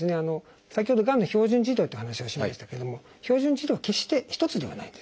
先ほどがんの標準治療という話をしましたけども標準治療は決して一つではないんですね。